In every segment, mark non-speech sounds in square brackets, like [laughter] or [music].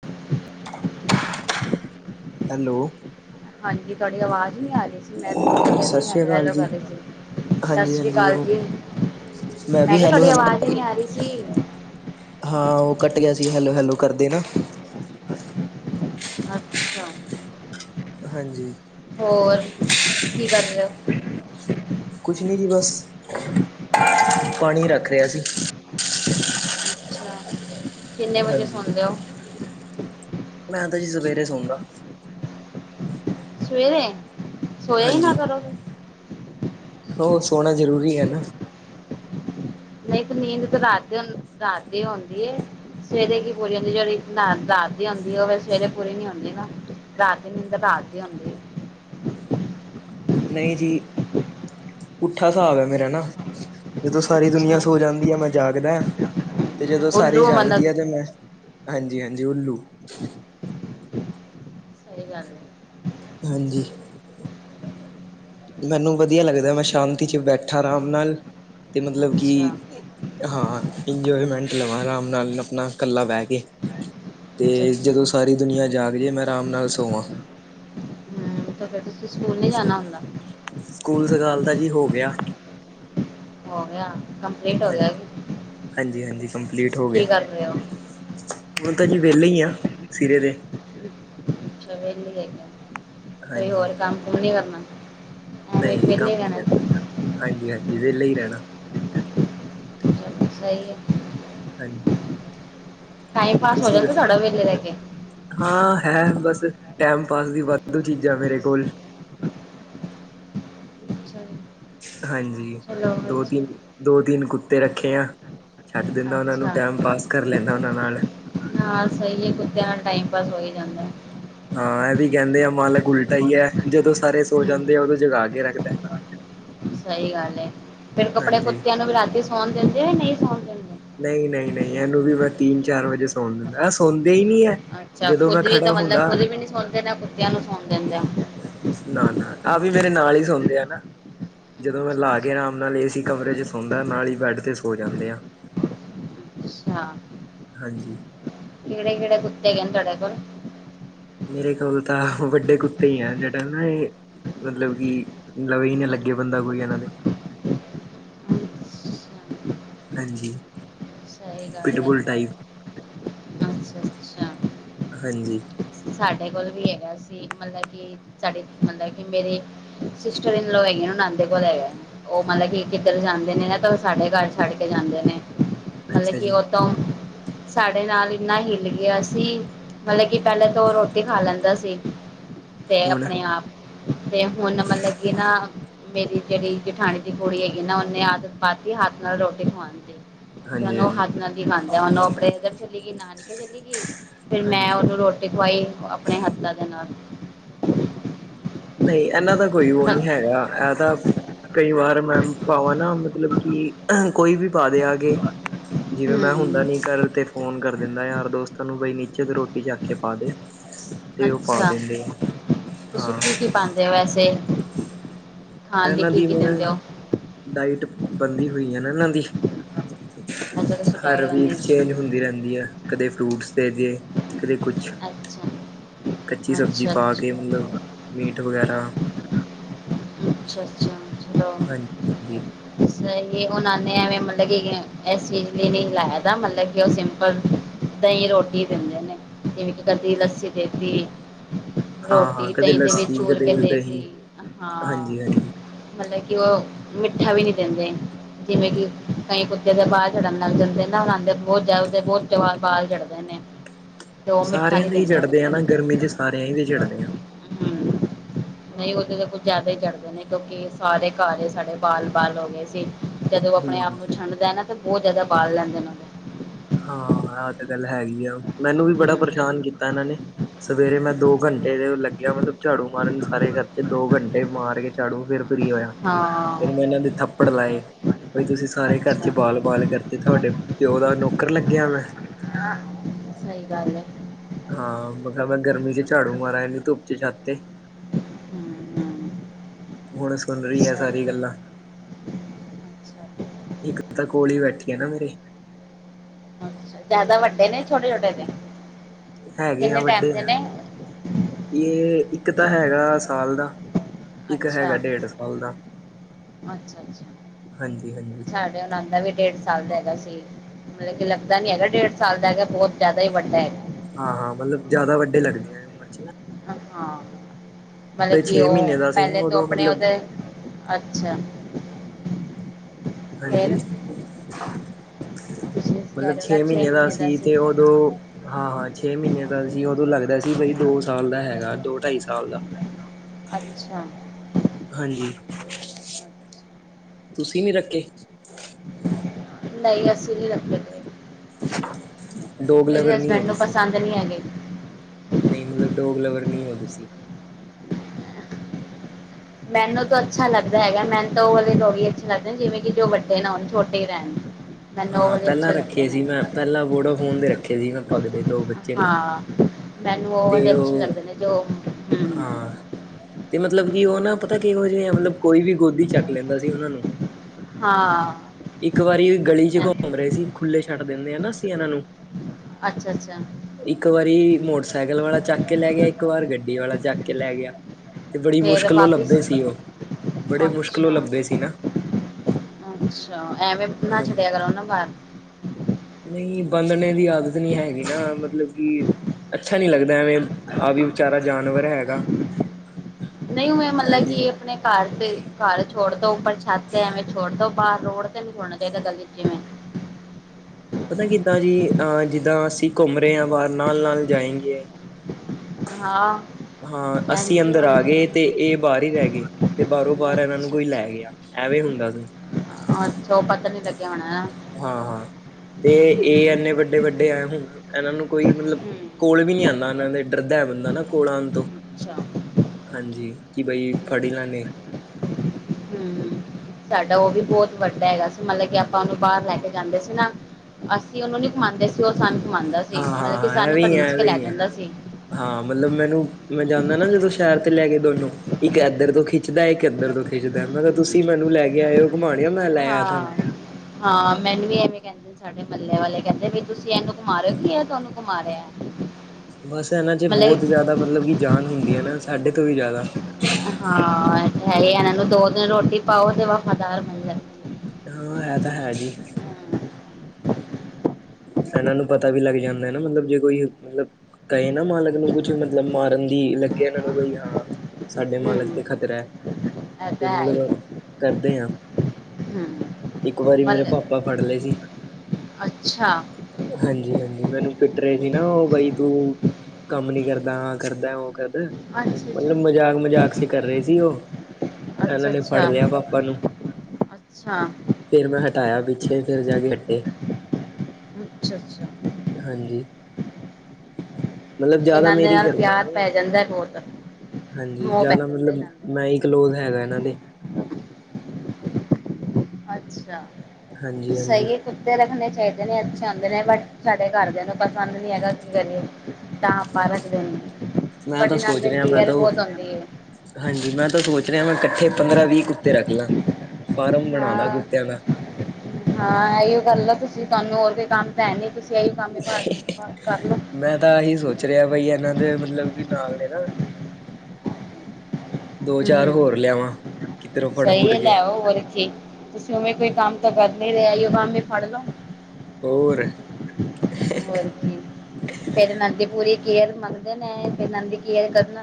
। Hello. ਹਾਂਜੀ ਤੁਹਾਡੀ ਆਵਾਜ਼ ਨੀ ਆ ਰਹੀ ਸੀ। ਮੈਂ ਤੇ ਕਿੰਨੀ ਦੇਰ ਸਤਿ ਦੀ ਸ੍ਰੀ ਹੈਲੋ - ਅਕਾਲ ਹੈਲੋ ਜੀ ਕਰ ਰਹੀ ਸੀ। ਸਤਿ ਹਾਂਜੀ ਸ੍ਰੀ ਹਾਂਜੀ ਅਕਾਲ ਜੀ। ਉਹ ਮੈਂ ਵੀ ਕਿਹਾ ਹੈਲੋ ਤੁਹਾਡੀ ਹੈਲੋ ਆਵਾਜ਼ ਹੀ ਨਹੀਂ ਆ ਕਰਕੇ, ਰਹੀ ਸੀ। ਹਾਂ ਉਹ ਕੱਟ ਗਿਆ ਸੀ ਹੈਲੋ - ਹੈਲੋ ਕਰਦੇ ਨਾਂ। ਅੱਛਾ। ਹਾਂਜੀ। ਹੋਰ, ਕੀ ਕਰ ਰਹੇ ਹੋ? ਕੁਛ ਨੀ ਜੀ ਬਸ, ਪਾਣੀ ਰੱਖ ਰਿਹਾ ਸੀ। ਅੱਛਾ। ਕਿੰਨੇ ਵਜੇ ਹਾਂਜੀ, ਸੌਂਦੇ ਹੋ ਮੈਂ ਤਾਂ ਜੀ ਸਵੇਰੇ ਸੋਂਦਾ। ਸਵੇਰੇ ਸੋਇਆ ਹੀ ਨਾ ਹਾਂਜੀ, ਕਰੋ ਉਹ ਸੋਣਾ ਜ਼ਰੂਰੀ ਐ ਨਾ। ਨਹੀਂ ਤੇ ਨੀਂਦ ਤੇ ਰਾਤ ਦੀ-ਰਾਤ ਦੀ ਆਉਂਦੀ ਏ। ਸਵੇਰੇ ਕੀ ਪੂਰੀ ਹੁੰਦੀ ਏ, ਜਿਹੜੀ ਰਾਤ ਦੀ ਹੁੰਦੀ ਏ, ਉਹ ਫਿਰ ਸਵੇਰੇ ਪੂਰੀ ਨੀ ਹੁੰਦੀ ਨਾ। ਰਾਤ ਦੀ ਨੀਂਦਰ ਰਾਤ ਦੀ ਹੁੰਦੀ ਏ। ਨਹੀਂ ਜੀ, ਪੁੱਠਾ ਸਾਬ ਐ ਮੇਰਾ ਨਾ। ਜਦੋਂ ਹੈ ਸਾਰੀ ਦੁਨੀਆਂ ਅੱਛਾ ਸੋ ਜਾਂਦੀ ਐ, ਮੈਂ ਜਾਗਦਾ। ਤੇ ਜਦੋਂ ਸਾਰੀ ਉੱਲੂ ਹੋ ਮਤਲਬ ਜਾਗਦੀ ਆ, ਤੇ ਤੁਸੀਂ ਮੈਂ ਹਾਂਜੀ-ਹਾਂਜੀ ਉੱਲੂ। ਸਹੀ ਗੱਲ ਏ। ਹਾਂਜੀ। ਮੈਨੂੰ ਵਧੀਆ ਲੱਗਦਾ ਮੈਂ ਸ਼ਾਂਤੀ ਚ ਬੈਠਾ ਆਰਾਮ ਨਾਲ, ਤੇ ਮਤਲਬ ਹੈ ਕਿ ਅੱਛਾ ਹਾਂ ਇੰਜੋਏਮੈਂਟ ਲਵਾਂ ਆਰਾਮ ਨਾਲ ਆਪਣਾ ਇਕੱਲਾ ਬਹਿ ਕੇ, ਤੇ ਜਦੋਂ ਸਾਰੀ ਦੁਨੀਆ ਜਾਗ ਜੇ, ਮੈਂ ਆਰਾਮ ਨਾਲ ਸੋਵਾਂ। ਤੂੰ ਸਕੂਲ ਨਹੀਂ ਜਾਣਾ ਹੁੰਦਾ। ਸਕੂਲ ਸਗਾਲ ਤਾਂ ਜੀ ਹੋ ਗਿਆ। ਹੋ ਗਿਆ ਕੰਮ ਹਾਂ, ਹਾਂਜੀ-ਹਾਂਜੀ ਕੰਪਲੀਟ ਹੋ ਕੀ ਗਿਆ। ਕਰ ਰਹੇ ਹੋ ਹੁਣ ਤਾ ਜੀ ਵਿਹਲੇ ਈ ਆ, ਸਿਰੇ ਦੇ। ਅੱਛਾ ਵਿਹਲੇ ਈ ਹੈਗੇ, ਕੋਈ ਹੋਰ ਕੰਮ ਕੁੰਮ ਨੀ ਕਰਨਾ। ਐਵੇਂ ਨਈ ਕੰਮ ਵਿਹਲੇ ਨੀ ਰਹਿਣਾ ਕਰਨਾ, ਹਾਂਜੀ-ਹਾਂਜੀ ਵਿਹਲਾ ਹੀ ਰਹਿਣਾ। ਚਲੋ ਸਹੀ ਐ। ਹਾਂਜੀ। ਟਾਈਮ ਪਾਸ ਹੋ ਤੁਸੀਂ ਜਾਂਦਾ, ਦੱਸੋ ਥੋਡਾ ਵਿਹਲੇ ਰਹਿ ਕੇ। ਹਾਂ ਹੈ ਬਸ, ਟੈਮ ਪਾਸ ਦੀ ਵਾਧੂ ਚੀਜ਼ਾਂ ਮੇਰੇ ਕੋਲ। ਅੱਛਾ ਜੀ ਹਾਂਜੀ, ਚਲੋ ਦੋ ਅੱਛਾ ਤਿੰਨ-ਦੋ ਤਿੰਨ ਕੁੱਤੇ ਰੱਖੇ ਆ। ਛੱਡ ਦਿੰਨਾ ਉਹਨਾਂ ਨੂੰ, ਅੱਛਾ ਟੈਮ ਪਾਸ ਕਰ ਲੈਂਨਾ ਉਹਨਾਂ ਨਾਲ। ਹਾਂ ਸਹੀ ਏ, ਕੁੱਤਿਆਂ ਨਾਲ ਟਾਈਮ ਪਾਸ ਹੋ ਹੀ ਜਾਂਦਾ। ਹਾਂ ਇਹ ਵੀ ਕਹਿੰਦੇ ਆ ਮਾਲਕ ਉਲਟਾ ਈ ਐ, ਜਦੋਂ ਸਾਰੇ ਸੋ ਹਮ ਜਾਂਦੇ ਆ ਉਦੋਂ ਜਗਾ ਕੇ ਰੱਖਦਾ। ਸਹੀ ਗੱਲ ਏ, ਫੇਰ ਆਪਣੇ ਹਾਂਜੀ ਕੁੱਤਿਆਂ ਨੂੰ ਵੀ ਰਾਤੀ ਸੌਣ ਦਿੰਦੇ ਜਾਂ ਨਈ ਸੌਣ ਦਿੰਦੇ। ਨਹੀਂ-ਨਹੀਂ-ਨਹੀਂ ਇਹਨੂੰ ਵੀ ਮੈਂ ਤੀਨ ਚਾਰ ਵਜੇ ਸੌਣ ਦਿੰਦਾ, ਇਹ ਸੌਂਦੇ ਹੀ ਨਈ ਐ। ਅੱਛਾ, ਖੁਦ ਵੀ ਤਾਂ ਮਤਲਬ ਖੁਦ ਵੀ ਨੀ ਸੌਂਦੇ, ਨਾ ਕੁੱਤਿਆਂ ਨੂੰ ਸੌਣ ਦਿੰਦੇ ਓ। ਨਾ-ਨਾ, ਆ ਵੀ ਮੇਰੇ ਨਾਲ ਈ ਸੌਂਦੇ ਆ ਨਾ। ਜਦੋਂ ਮੈਂ ਅੱਛਾ ਲਾ ਕੇ ਅੱਛਾ ਆਰਾਮ ਨਾਲ ਏਸੀ ਕਮਰੇ ਚ ਸੌਂਦਾ, ਨਾਲ ਈ ਬੈਡ ਤੇ ਸੋ ਜਾਂਦੇ ਆ। [unintelligible] ਹਾਂਜੀ। ਕਿਹੜੇ-ਕਿਹੜੇ ਕੁੱਤੇ ਹੈਗੇ ਤੁਹਾਡੇ ਕੋਲ। ਮੇਰੇ ਕੋਲ ਤਾਂ ਵੱਡੇ ਕੁੱਤੇ ਹੀ ਆ ਜਿਹੜੇ ਨਾ ਇਹ ਮਤਲਬ ਕਿ ਲਵੇ ਹੀ ਨਾ ਲੱਗੇ, ਬੰਦਾ ਕੋਈ ਇਹਨਾਂ ਦੇ। ਅੱਛਾ ਹਾਂਜੀ, ਸਹੀ ਗੱਲ ਹੈ ਪਿਟਬੁਲ ਟਾਈਪ। ਅੱਛਾ ਅੱਛਾ ਹਾਂਜੀ। ਸਾਡੇ ਕੋਲ ਵੀ ਹੈਗਾ ਸੀ, ਮਤਲਬ ਕਿ ਸਾਡੇ ਮਤਲਬ ਕਿ ਮੇਰੇ ਸਿਸਟਰ ਇਨ ਲੌਅ ਹੈਗੇ ਨੇ, ਉਹਨਾਂ ਦੇ ਕੋਲ ਹੈਗਾ। ਉਹ ਮਤਲਬ ਕਿ ਕਿੱਧਰ ਜਾਂਦੇ ਨੇ ਨਾ, ਤਾਂ ਉਹ ਸਾਡੇ ਘਰ ਛੱਡ ਕੇ ਜਾਂਦੇ ਨੇ। ਮਤਲਬ ਅੱਛਾ ਕਿ ਜੀ ਓਦੋਂ ਸਾਡੇ ਨਾਲ ਇੰਨਾ ਹਿੱਲ ਗਿਆ ਸੀ, ਮਤਲਬ ਕਿ ਪਹਿਲੇ ਦੋ ਰੋਟੀ ਖਾ ਲੈਂਦਾ ਸੀ, ਤੇ ਹੁਣ ਆਪਣੇ ਆਪ। ਤੇ ਹੁਣ ਮਤਲਬ ਕਿ ਨਾ ਮੇਰੀ ਜਿਹੜੀ ਜਠਾਣੀ ਦੀ ਕੁੜੀ ਹੈਗੀ ਨਾ ਉਹਨੇ ਆ ਬਾਤੀ ਹੱਥ ਨਾਲ ਰੋਟੀ ਖਵਾਉਣ ਦੀ। ਫ ਹਾਂਜੀ ਉਹਨੂੰ ਉਹ ਹਾਂਜੀ ਹੱਥ ਨਾਲ ਹੀ ਖਾਂਦਾ ਉਹਨੂੰ ਆਪਣੇ ਇਧਰ ਚਲੀ ਗਈ ਨਾਨਕੇ ਚਲੀ ਗਈ ਫੇਰ ਮੈਂ ਹਾਂਜੀ ਉਹਨੂੰ ਰੋਟੀ ਦਿਖਵਾਈ ਆਪਣੇ ਹੱਥਾਂ ਦੇ ਨਾਲ ਨਹੀਂ ਇਹਨਾਂ ਦਾ ਕੋਈ ਉਹ ਹੂੰ ਨਹੀਂ ਹੈਗਾ ਇਹ ਤਾਂ ਕਈ ਵਾਰ ਮੈਂ ਪਾਵਾਂ ਨਾ ਮਤਲਬ ਕਿ ਕੋਈ ਵੀ ਪਾ ਦੇ ਆ ਕੇ ਜਿਵੇਂ ਮੈਂ ਹੁੰਦਾ ਨੀ ਘਰ ਤੇ ਫੋਨ ਕਰ ਦਿੰਦਾ ਯਾਰ ਦੋਸਤਾਂ ਨੂੰ ਬਈ ਨੀਚੇ ਤੋਂ ਰੋਟੀ ਚੱਕ ਕੇ ਪਾ ਦੇ ਤੇ ਉਹ ਪਾ ਅੱਛਾ ਦਿੰਦੇ ਆ ਤੁਸੀਂ ਹਾਂ ਕੀ ਕੀ ਪਾਦੇ ਹੋ ਵੈਸੇ। ਖਾਣ ਲਈ ਇਹਨਾਂ ਕੀ ਦੀ ਕੀ ਮੈਂ ਦਿੰਦੇ ਹੋ ਡਾਇਟ ਬੰਦੀ ਹੋਈ ਆ ਨਾ ਇਹਨਾਂ ਦੀ। ਅੱਛਾ ਤੁਸੀਂ ਹਰ ਡਾਇਟ ਵੀ ਬੰਦੇ ਚੇਂਜ ਹੁੰਦੀ ਰਹਿੰਦੀ ਹੈ। ਕਦੇ ਫਰੂਟਸ ਦੇ ਜੇ ਕਦੇ ਕੁਛ ਅੱਛਾ ਕੱਚੀ ਸਬਜ਼ੀ ਅੱਛਾ ਅੱਛਾ ਪਾ ਕੇ ਮਤਲਬ ਮੀਟ ਵਗੈਰਾ ਅੱਛਾ ਅੱਛਾ ਚਲੋ ਹਾਂਜੀ ਹਾਂਜੀ ਸਹੀ ਹੁਣ ਆਨੇ ਐਵੇਂ ਮਤਲਬ ਕਿ ਇਸ ਚੀਜ਼ ਲਈ ਨਹੀਂ ਲਾਇ ਦਾ ਮਤਲਬ ਕਿ ਉਹ ਸਿੰਪਲ ਦਹੀਂ ਰੋਟੀ ਦਿੰਦੇ ਨੇ ਜਿਵੇਂ ਕੀ ਕਰਦੀ ਲੱਸੀ ਦੇਦੀ। ਹਾਂ ਹਾਂ ਕਦੇ ਲੱਸੀ ਕੇ ਕਦੇ ਦੇਤੀ ਦਹੀਂ ਹਾਂਜੀ ਹਾਂ ਹਾਂਜੀ। ਮਤਲਬ ਕਿ ਉਹ ਮਿੱਠਾ ਵੀ ਨੀ ਦਿੰਦੇ। ਜਿਵੇਂ ਕਿ ਕਈ ਕੁੱਜੇ ਦੇ ਬਾਲ ਝੜਨ ਲੱਗ ਜਾਂਦੇ ਨਾ ਬਦੇ ਬਹੁਤ ਜਾਂਦਾ ਬਹੁ ਜ ਬਾਲ ਝੜਦੇ ਨੇ। ਹਮ। ਸਾਰਿਆਂ ਦੇ ਹੀ ਝੜਦੇ ਆ ਨਾ ਗਰਮੀ ਜ ਸਾਰਿਆਂ ਹੀ ਦੇ ਝੜਦੇ ਆ। ਹਮਮ ਨਹੀ ਓਹ ਤੋ ਦੇਖੋ। ਜ਼ਿਆਦਾ ਚੜ੍ਹਦੇ ਨੇ ਕਿਉਂਕਿ ਸਾਰੇ ਘਰ ਸਾਡੇ ਬਾਲ-ਬਾਲ ਹੋ ਗਏ ਸੀ। ਜਦੋਂ ਆਪਣੇ ਆਪ ਹੂੰ, ਨੂੰ ਛੰਡਦਾ ਹੈ। ਨਾ ਤੇ ਬਹੁਤ ਜ਼ਿਆਦਾ ਬਾਲ ਲੈਂਦੇ ਨੇ। ਉਹਦੇ ਹਾਂ ਆਹ ਤੇ ਗੱਲ ਹੈਗੀ ਆ ਮੈਨੂੰ ਵੀ ਬੜਾ ਪਰੇਸ਼ਾਨ ਹਮ ਕੀਤਾ ਇਹਨਾਂ ਨੇ ਸਵੇਰੇ ਮੈਂ ਦੋ ਘੰਟੇ ਦੇ ਲੱਗਿਆ ਮਤਲਬ ਝਾੜੂ ਮਾਰਨ ਸਾਰੇ ਖਰਚੇ ਦੋ ਘੰਟੇ ਮਾਰ ਕੇ ਝਾੜੂ ਫੇਰ ਫਰੀ ਹੋਇਆ। ਹਾਂ ਫਿਰ ਮੈਂ ਇਹਨਾਂ ਦੇ ਥੱਪੜ ਲਾਏ ਬਈ ਤੁਸੀਂ ਸਾਰੇ ਘਰ ਚ ਅੱਛਾ ਬਾਲ ਬਾਲ ਕਰਤੇ ਤੁਹਾਡੇ। ਪਿਉ ਦਾ ਨੌਕਰ ਲੱਗਿਆ ਮੈਂ। ਹਾਂ ਸਹੀ ਗੱਲ ਹੈ। ਹਾਂ ਬਗ ਮੈਂ ਗਰਮੀ ਚ ਝਾੜੂ ਮਾਰਾ ਨ ਧੁਪ ਚ ਛੱਤੇ। ਹਮ ਹਮ ਹੁਣ ਸੁਣ ਰਹੀ ਹੈ। ਸਹੀ ਸਾਰੀ ਅੱਛਾ ਗੱਲਾਂ ਇੱਕ ਤਾਂ ਕੋਲ ਹੀ ਬੈਠੀ ਆ ਨਾ ਮੇਰੇ ਜਿਆਦਾ ਵੱਡੇ ਨੇ ਛੋਟੇ-ਛੋਟੇ ਨੇ ਹੈਗੇ ਆ ਕਿੰਨੇ ਟਾਈਮ ਵੱਡੇ ਦੇ ਆ ਨੇ? ਇਹ ਇੱਕ ਤਾਂ ਹੈਗਾ ਸਾਲ ਦਾ। ਇੱਕ ਹੈਗਾ ਅੱਛਾ ਡੇਢ ਸਾਲ ਦਾ ਹਾਂਜੀ ਹਾਂਜੀ। ਉਹ ਆਉਂਦਾ ਵੀ ਡੇਢ ਸਾਲ ਦਾ ਹੈਗਾ ਸੀ ਮਤਲਬ ਕਿ ਲੱਗਦਾ ਨੀ ਹੈਗਾ ਡੇਢ ਸਾਲ। ਸਾਲ ਦਾ ਹੈਗਾ। ਬਹੁਤ ਜ਼ਿਆਦਾ ਹੀ ਵੱਡਾ ਹੈਗਾ। ਹਾਂ-ਹਾਂ ਮਤਲਬ ਜ਼ਿਆਦਾ ਵੱਡੇ ਲੱਗਦੇ ਆ ਉਮਰ 'ਚ ਨਾ। ਹਾਂ ਅ ਤੇ ਮਤਲਬ ਕਿ ਛੇ ਉਹ ਮਹੀਨੇ ਦਾ ਸੀ ਨਾ ਪਹਿਲੇ ਤੋਂ ਉਦੋਂ ਆਪਣੇ ਮਤਲਬ ਉਹਦੇ। ਅੱਛਾ। ਫਿਰ ਹਾਂਜੀ 'ਚ। ਤੁਸੀਂ ਕਹਿ ਮਤਲਬ ਰਹੇ ਹੋ ਨਾ ਛੇ ਮਹੀਨੇ ਦਾ ਸੀ ਤੇ ਉਦੋਂ। ਹਾਂ-ਹਾਂ ਛੇ ਮਹੀਨੇ ਦਾ ਸੀ ਉਦੋਂ ਲੱਗਦਾ ਸੀ। ਬਈ ਦੋ ਸਾਲ ਦਾ ਹੈਗਾ ਦੋ ਢਾਈ ਸਾਲ ਦਾ। ਅੱਛਾ ਹ। ਹਾਂਜੀ ਕ 'ਚ। ਤੁਸੀਂ ਨੀ ਰੱਖੇ। ਨਹੀਂ ਅਸੀ ਨੀ ਰਖਾ ਥੇ। ਡੋਗ ਮੇਰੇ ਲਵਰ ਨਹੀਂ ਹੋ ਹਸਬੈਂਡ ਨੂੰ ਤੁਸੀਂ ਪਸੰਦ ਨੂੰ ਹੈਗੇ। ਨਹੀਂ ਮਤਲਬ ਡੋਗ ਲਵਰ ਨਹੀਂ ਹੋ ਤੁਸੀਂ। ਮੈਨੂੰ ਤਾਂ ਅੱਛਾ ਲੱਗਦਾ ਹੈਗਾ। ਮੈਨੂੰ ਤਾਂ ਉਹਦੇ ਦ ਵੀ ਅੱਛੇ ਲੱਗਦੇ ਜਿਵੇਂ ਕਿ ਜੋ ਵੱਡੇ ਨਾ ਹੋਣ ਛੋਟੇ ਰਹਿਣ। ਮੈਨੂੰ ਉਹ ਹਾਂ ਵਾਲੇ ਪਹਿਲਾਂ ਅੱਛੇ ਲੱਗਦੇ ਰੱਖੇ ਨੇ ਸੀ ਮੈਂ, ਪਹਿਲਾਂ ਵੋਡਾਫੋਨ ਦੇ ਰੱਖੇ ਸੀ ਮੈਂ ਪਗਦੇ ਦੋ ਬੱਚੇ। ਨਾ ਹਾਂ ਅ। ਮੈਨੂੰ ਉਹ ਤੇ ਵਾਲੇ ਅੱਛੇ ਉਹ ਲੱਗਦੇ ਨੇ, ਜੋ। ਹਮ, ਹਾਂ ਤੇ ਮਤਲਬ ਕੀ ਉਹ ਨਾ ਪਤਾ ਕਿਹੋ ਜਿਹੇ ਆ, ਮਤਲਬ ਕੋਈ ਵੀ ਗੋਦੀ ਚੱਕ ਲੈਂਦਾ ਸੀ ਉਹਨਾਂ ਨੂੰ। ਹਾਂ ਅ। ਇੱਕ ਵਾਰੀ ਗਲੀ 'ਚ ਘੁੰਮ ਰਹੇ ਸੀ, ਖੁੱਲ੍ਹੇ ਛੱਡ ਦਿੰਦੇ ਹ ਨਾ ਅਸੀਂ ਇਹਨਾਂ ਨੂੰ। ਅੱਛਾ। ਅੱਛਾ। ਇੱਕ ਵਾਰੀ ਮੋਟਰਸਾਈਕਲ ਵਾਲਾ ਚੱਕ ਕੇ ਲੈ ਗਿਆ, ਇੱਕ ਵਾਰ ਗੱਡੀ ਵਾਲਾ ਚੱਕ ਕੇ ਲੈ ਗਿਆ। ਤੇ ਬੜੀ ਫਿਰ ਮੁਸ਼ਕਲੋਂ ਵਾਪਿਸ ਲੱਭੇ ਸੀ ਉਹ, ਬੜੇ ਮੁਸ਼ਕਿਲੋਂ ਅੱਛਾ ਲੱਭੇ ਸੀ ਨਾ। ਅੱਛਾ, ਐਵੇਂ ਨਾ ਹਾਂਜੀ। ਛੱਡਿਆ ਕਰੋ ਨਾ ਬਾਹਰ। ਨਹੀਂ ਬੰਦਣੇ ਦੀ ਆਦਤ ਨੀ ਹੈਗੀ ਨਾ ਮਤਲਬ ਕਿ। ਅੱਛਾ ਨੀ ਲੱਗਦਾ ਐਵੇਂ, ਆ ਵੀ। ਬੇਚਾਰਾ ਜਾਨਵਰ ਹੈਗਾ, ਨਹੀਂ ਮੈਂ ਮਤਲਬ ਹਾਂਜੀ। ਕਿ ਆਪਣੇ ਘਰ ਤੇ ਘਰ ਛੋੜ ਦੋ, ਉੱਪਰ ਛੱਤ ਐਵੇਂ ਛੋੜ ਦੋ, ਬਾਹਰ ਰੋਡ ਤੇ ਨੀ ਛੋੜਨਾ ਚਾਹੀਦਾ ਗੱਲੀ 'ਚ ਜਿਵੇਂ। ਪਤਾ ਕਿੱਦਾਂ ਜੀ ਅਹ ਜਿੱਦਾਂ ਅਸੀਂ ਘੁੰਮ ਰਹੇ ਹਾਂ ਬਾਹਰ, ਨਾਲ-ਨਾਲ ਜਾਏਗੇ। ਹਾਂ ਅ। ਹਾਂ ਅਸੀਂ ਅੰਦਰ ਆ ਗਏ, ਤੇ ਇਹ ਬਾਹਰ ਹੀ ਰਹਿ ਗਏ, ਤੇ ਬਾਹਰੋਂ ਬਾਹਰ ਓ ਭਾਰ ਇਹਨਾਂ ਨੂੰ ਅੱਛਾ ਕੋਈ ਲੈ ਗਿਆ। ਐਵੇਂ ਹੁੰਦਾ ਸਨ। ਅੱਛਾ, ਔ ਪਤਾ ਨਿ ਲਗਯਾ ਹੋਣਾ ਹਾ। ਹਾਂ-ਹਾਂ, ਤੇ ਇਹ ਐੰਨੇ ਵੱਡੇ ਵੱਡੇ ਐ ਹੁਣ। ਇਹਨਾਂ ਨੂੰ ਕੋਈ ਮਤਲਬ, ਹੂੰ ਕੋਲ ਵੀ ਨੀ ਆਂਦਾ ਇਹਨਾਂ ਦੇ, ਡਰਦਾ ਐ ਬੰਦਾ ਨਾ ਕੋਲ ਆਣ ਤੋਂ। ਅੱਛਾ। ਹਾਂਜੀ, ਕਿ ਬਈ, ਫੜ ਈ ਨਾ ਲੇ ਹੂ, ਸਾਡਾ ਉਹ ਵੀ ਬਹੁਤ ਵੱਡਾ ਹੈਗਾ ਸੀ, ਮਤਲਬ ਕਿ ਆਪਾਂ ਉਹਨੂੰ ਬਾਹਰ ਲੈ ਕੇ ਜਾਂਦੇ ਸੀ ਨਾ। ਅਸੀਂ ਉਹਨੂੰ ਨੀ ਘੁੰਮਾਦੇ ਸੀ, ਉਹ ਸਾਨੂੰ ਘੁੰਮਾਂਦਾ ਸੀ। ਹਾਂ ਹਾਂ ਮਤਲਬ ਕਿ ਹਾਂ ਸਾਨੂੰ ਐਵੇਂ ਹੀ ਘੜੀਸ ਕੇ ਐਵੇਂ ਲੈ ਹੀ ਹੈ ਜਾਂਦਾ ਸੀ। ਹਾਂ ਮਤਲਬ ਮੈਨੂੰ ਮੈਂ ਜਾਂਦਾ ਨਾ ਜਦੋਂ ਸ਼ਹਿਰ ਤੇ ਲੈ ਕੇ ਦੋਨੋ, ਇੱਕ ਇੱਧਰ ਤੋਂ ਖਿੱਚ। ਖਿੱਚਦਾ ਹੈ ਇੱਕੱਦਰ ਤੋਂ ਖਿੱਚਦਾ, ਮੈਂ ਕਿਹਾ ਤੁਸੀਂ ਮੈਨੂੰ ਲੈ ਕੇ ਆਇ ਹੋ ਘੁਮਾਣ ਯਾ ਮੈਂ। ਲੈ ਆਇਆ ਤੁਹਾਨੂੰ ਹਾਂ-ਹਾਂ ਮੈਨੂੰ ਵੀ ਐਵੇਂ ਕਹਿੰਦੇ ਸਾਡੇ ਮਹੱਲੇ ਵਾਲੇ, ਕਹਿੰਦੇ ਵੀ ਤੁਸੀਂ ਇਹਨੂੰ। ਘੁਮਾ ਰਹੇ ਹੋ, ਕੀ ਹੈ ਤੁਹਾਨੂੰ ਘੁਮਾ ਰਿਆ। ਬਸ ਇਹਨਾ 'ਚ ਬਹੁਤ ਜ਼ਿਆਦਾ ਮਤਲਬ ਕਿ ਜਾਨ ਹੁੰਦੀ ਹੈ ਨਾ, ਸਾਡੇ ਤੋਂ ਵੀ ਜ਼ਿਆਦਾ। ਹਾਂ ਐ ਤੇ ਹੈ ਹੀ, ਇਹਨਾਂ ਨੂੰ ਦੋ ਦਿਨ ਰੋਟੀ ਪਾਓ, ਤੇ ਵਫ਼ਾਦਾਰ ਬਣ ਜਾਂ। ਹਾਂ ਹੈ ਤਾਂ ਹੈ ਜੀ। ਇਹਨਾਂ ਨੂੰ ਪਤਾ ਵੀ ਲੱਗ ਜਾਂਦਾ ਨਾ, ਮਤਲਬ ਜੇ ਕੋਈ ਮਤਲਬ। ਕਹੇ ਨਾ ਮਾਲਕ ਨੂੰ ਕੁਛ, ਮਤਲਬ ਮਾਰਨ ਦੀ ਲੱਗਿਆ ਇਹਨਾਂ ਨੂੰ ਬਈ ਹਾਂ। ਸਾਡੇ ਮਾਲਕ ਹੂੰ ਤੇ ਖ਼ਤਰਾ ਐ, ਇਹ ਤੇ ਤਾਂ ਹੈ ਮਤਲਬ, ਹੀ ਕਰਦੇ ਆਂ। ਹੂੰ ਇੱਕ ਵਾਰੀ ਮੇਰੇ ਮਤਲਬ ਪਾਪਾ ਫੜ ਲਏ ਸੀ। ਅੱਛਾ। ਹਾਂਜੀ-ਹਾਂਜੀ ਮੈਨੂੰ ਪਿੱਟ ਰਹੇ ਸੀ ਨਾ ਉਹ, ਬਈ ਤੂੰ, ਕੰਮ ਨੀ ਕਰਦਾ ਆ ਕਰਦੈ ਉਹ ਕਦ, ਅੱਛਾ ਅੱਛਾ ਮਤਲਬ ਮਜ਼ਾਕ-ਮਜ਼ਾਕ ਸੀ ਕਰ ਰਹੇ ਸੀ ਉਹ। ਏਨਾਂ ਅੱਛਾ ਨੇ ਫੜ ਅੱਛਾ ਲਿਆ ਪਾਪਾ ਨੂੰ। ਅੱਛਾ ਫੇਰ ਮੈਂ ਹਟਾਇਆ ਪਿੱਛੇ, ਫੇਰ ਜਾ ਕੇ ਹਟੇ। ਅੱਛਾ-ਅੱਛਾ। ਹਾਂਜੀ। ਮਤਲਬ ਜਾਦਾ ਇਹਨਾਂ ਦੇ ਮੇਰੀ ਨਾਲ ਕਰਦੇ ਪਿਆਰ ਐ, ਪੈ ਜਾਂਦਾ ਬਹੁਤ ਹਾਂਜੀ ਮੋਹ ਪੈ ਜਾਦਾ ਜਾਂਦਾ ਮਤਲਬ ਇਹਨਾਂ ਮੈਂ ਈ ਦਾ ਕਲੋਜ਼ ਹੈਗਾ ਇਹਨਾਂ ਦੇ। ਅੱਛਾ, ਹਾਂਜੀ ਹਾਂਜੀ ਸਹੀ ਏ- ਕੁੱਤੇ ਰੱਖਣੇ ਚਾਹੀਦੇ ਨੇ, ਅੱਛੇ ਹੁੰਦੇ ਨੇ ਬਟ, ਸਾਡੇ ਘਰਦਿਆਂ ਨੂੰ ਪਸੰਦ ਨੀ ਹੈਗਾ, ਕੀ ਕਰੀਏ। ਤਾਂ ਆਪਾਂ ਰੱਖਦੇ ਨੀ, ਮੈਂ ਬਟ ਤਾਂ ਇਹਨਾਂ ਸੋਚ ਦੀ ਰਿਹਾ ਮੈਂ ਕੇਅਰ ਤਾਂ ਉਹ ਬਹੁਤ ਹੋਂਦੀ ਏ। ਹਾਂਜੀ ਮੈਂ ਤਾਂ ਸੋਚ ਰਿਆ ਵਾ, ਕੱਠੇ ਪੰਦਰਾਂ ਵੀਹ ਕੁੱਤੇ ਰੱਖ ਲਾਂ, ਫਾਰਮ ਬਣਾਦਾ ਹਾਂ ਕੁੱਤਿਆਂ ਦਾ। ਹਾਂ ਇਹੀਓ ਗੱਲ ਆ ਤੁਸੀਂ ਤੁਹਾਨੂੰ ਹੋਰ ਕੋਈ ਕੰਮ ਤਾਂ ਹੈ ਨੀ, ਤੁਸੀਂ ਇਹੀ ਕੰਮ ਭਰ, ਕਰ ਲੋ। ਮੈਂ ਤਾਂ ਐਹੀ ਸੋਚ ਰਿਆ ਬਈ ਇਨਾਂ ਦੇ ਮਤਲਬ ਕੀ ਨਾਲ ਦੇ ਨਾ ਹੂੰ ਦੋ-ਚਾਰ ਹੂੰ ਹੋਰ ਹੂੰ ਲਿਆਵਾਂ, ਕਿਦਰੋਂ ਸਹੀ ਫੜ-ਫੁੜ ਹੈ ਕੇ। ਲੈ ਆਓ ਹੋਰ ਕੀ। ਤੁਸੀਂ ਓਵੇਂ ਕੋਈ ਕੰਮ ਤਾਂ ਕਰ ਨੀ ਰੇ ਅਯੋ ਕੰਮ ਈ ਫੜ ਲੋ। ਹੋਰ। ਹੋਰ ਕੀ। ਫੇਰ ਏਨਾ ਦੀ ਪੂਰੀ ਕੇਅਰ ਮੰਗਦੇ ਨੇ ਫੇਰ ਏਨਾ ਦੀ ਕੇਅਰ ਕਰਨਾ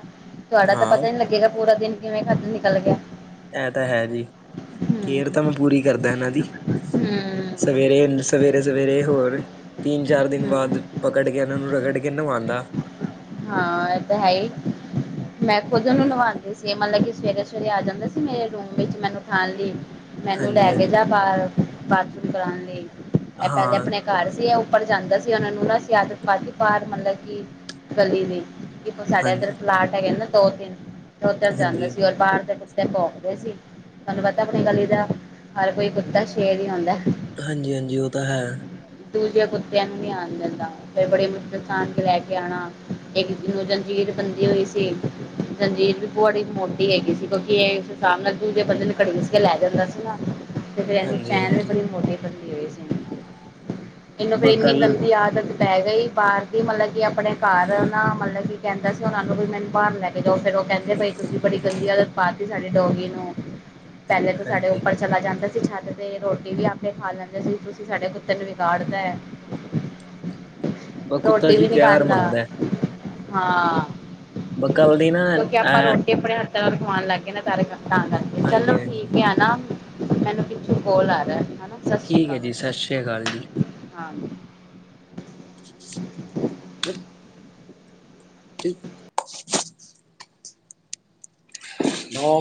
ਤੁਆਡਾ ਤਾਂ ਹਾਂ ਪਤਾ ਈ ਨੀ ਲੱਗੇਗਾ ਪੂਰਾ ਦਿਨ ਕਿਵੇਂ ਖਤ ਨਿਕਲ ਗਿਆ। ਐਂ ਤਾਂ ਹੈ ਜੀ, ਕੇਰ ਤਾਂ ਮੈਂ ਪੂਰੀ ਕਰਦਾ ਇਨਾਂ ਦੀ। ਹੂੰ। ਸਵੇਰੇ, ਸਵੇਰੇ-ਸਵੇਰੇ ਹੋਰ, ਤੀਨ ਚਾਰ ਦਿਨ ਬਾਦ ਪਕੜ ਗਿਆ ਨਾਂ ਨੂੰ ਰਗੜ ਕੇ ਨਵਾਂਦਾ। ਹਾਂ ਐ ਤਾਂ ਹੈ ਈ, ਮੈਂ ਖੁਦ ਓਨੂੰ ਨਵਾਂਦੀ ਸੀ। ਮਤਲਬ ਕਿ ਸਵੇਰੇ-ਸਵੇਰੇ ਆ ਜਾਂਦਾ ਸੀ ਮੇਰੇ ਰੂਮ ਵਿੱਚ ਮੈਨੂੰ ਠਾਣ ਲੀ, ਮੈਨੂੰ ਹਾਂਜੀ ਲੈ ਕੇ ਹਾਂਜੀ ਜਾ ਬਾਹਰ ਬਾਥਰੂਮ ਕਰਾਣ ਲਈ, ਐ ਪੈਲੇ ਹਾਂ ਅਪਣੇ ਘਰ ਸੀ ਐ ਉੱਪਰ ਜਾਂਦਾ ਸੀ ਉਨਾਂ ਨੂੰ ਨਾ ਅਸੀਂ ਆਦਤ ਪਾਤੀ ਬਾਰ ਮਤਲਬ ਕਿ, ਗਲੀ ਦੀ। ਸਾਡੇ ਇੱਧਰ ਹਾਂਜੀ ਪਲਾਟ ਹੈਗੇ ਨੇ ਨਾ ਦੋ-ਤਿੰਨ ਤਾਂ ਓੱਦਰ ਜਾਂਦਾ ਹਾਂਜੀ, ਸੀ ਬਾਹਰ ਕੁੱਤੇ ਪੋਕਦੇ ਸੀ, ਤੁਆਨੂੰ ਪਤਾ ਐ ਅਪਣੀ ਗਲੀ ਦਾ, ਹਰ ਕੋਈ ਕੁੱਤਾ ਸ਼ੇਰ ਈ ਹੁੰਦੈ। ਹਾਂਜੀ-ਹਾਂਜੀ ਓ ਤਾਂ ਹੈ। ਦੂਜਿਆਂ ਕੁੱਤਿਆਂ ਨੂੰ ਨੀ ਆਨ ਦਿੰਦਾ। ਫੇਰ ਬੜੀ ਮੁਸ਼ਕਲ ਸਾਨ ਕੇ ਲੈ ਕੇ ਆਣਾ, ਇੱਕ ਨੂੰ ਜੰਜੀਰ ਬੰਦੀ ਹੋਈ ਸੀ। ਜੰਜੀਰ‌‌ ਵੀ ਬੜੀ ਮੋਟੀ ਹੈਗੀ ਸੀ ਕਿਉਂਕਿ ਐ ਉਸ ਸਾਬ ਨਾਲ ਦੂਜੇ ਬੰਦੇ ਨੁੰ ਘੜੀਸ ਕੇ ਲੈ ਜਾਂਦਾ ਸੀਗਾ। ਤੇ ਫਿਰ ਐਨੂੰ ਚੈਨ ਵੀ ਹਾਂਜੀ-ਹਾਂਜੀ। ਬੜੀ ਮੋਟੀ ਬੰਦੀ ਹੋਈ ਸੀ। ਏਨੂੰ ਫੇਰ ਬ ਏਨੀ ਕੱਲ ਗੰਦੀ ਆਦਤ ਪੈ ਗਈ ਬਾਹਰ ਦੀ ਮਤਲਬ ਕਿ ਅਪਣੇ ਘਰ ਨਾ ਮਤਲਬ ਕਿ ਕੈਂਦਾ ਸੀ ਉਨਾਂ ਨੂੰ ਵੀ ਮੈਨੂੰ ਬਾਰ ਲੈ ਕੇ ਜਾਓ ਫੇਰ ਓ ਕੈਂਦੇ ਬਈ ਤੁਸੀਂ ਬੜੀ ਗੰਦੀ ਆਦਤ ਪਾਤੀ ਸਾਡੇ ਡੋਗੀ ਨੂੰ। ਪੈਲੇ ਤੋਂ ਸਾਡੇ ਹਾਂਜੀ, ਉੱਪਰ ਚਲਾ ਜਾਂਦਾ ਸੀ ਛੱਤ ਤੇ ਰੋਟੀ ਵੀ ਆਪੇ ਖਾ ਲੈਂਦੇ ਸੀ ਤੁਸੀਂ ਸਾਡੇ ਕੁ ਤੇ ਨੂੰ ਵਿਗਾੜ ਤੈ, ਬ ਕੁੱਤਾ ਰੋਟੀ ਜੀ ਵੀ ਨੀ ਪਿਆਰ ਖਾਂਦਾ। ਮੰਗਦਾ। ਹਾਂ, ਬ ਕੱਲ ਦੀ ਨਾ ਕਿਉਂਕਿ ਆਪਾਂ ਐ ਰੋਟੀ ਅਪਣੇ ਹ ਥਾ ਨਾਲ ਖੁਆਣ ਲੱਗ ਗੇ ਨਾ ਸਾਰੇ ਤਾਂ ਕਰਕੇ ਚਲੋ ਹਾਂਜੀ-ਹਾਂਜੀ, ਠੀਕ ਐ ਨਾ ਮੈਨੂੰ ਪਿੱਛੋਂ ਕੋਲ ਆ ਰੈ ਹੈਨਾ। ਠੀਕ ਏ ਜੀ ਸਾ ਸ਼੍ਰੀ ਅਕਾਲ ਜੀ। ਹਾਂ। [unintelligible] [unintelligible] ਨੋ।